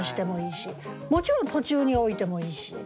もちろん途中に置いてもいいし。